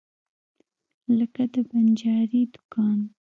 لکه د بنجاري دکان.